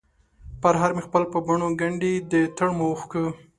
پرهر مې خپل په بڼووګنډی ، دتړمو اوښکو،